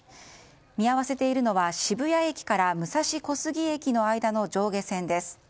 見合わせているのは渋谷駅から武蔵小杉駅の間の上下線です。